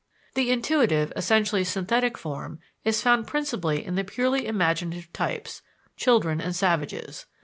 The intuitive, essentially synthetic form, is found principally in the purely imaginative types, children and savages.